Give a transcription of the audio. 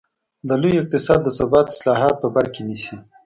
د لوی اقتصاد د ثبات اصلاحات په بر کې نیسي.